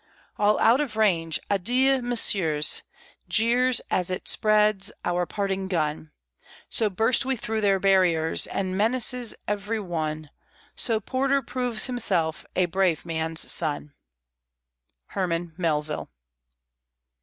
All out of range. Adieu, Messieurs! Jeers, as it speeds, our parting gun. So burst we through their barriers And menaces every one; So Porter proves himself a brave man's son. HERMAN MELVILLE.